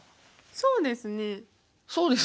「そうですね」？